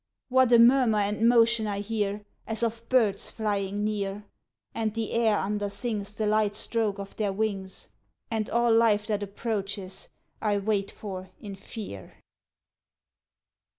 what a murmur and motion I hear, As of birds flying near! And the air undersings The light stroke of their wings And all life that approaches I wait for in fear.